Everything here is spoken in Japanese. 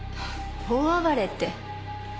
大暴れって。